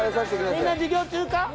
みんな授業中か？